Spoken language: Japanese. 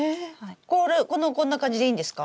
これこんな感じでいいんですか？